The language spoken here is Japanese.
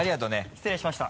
失礼しました。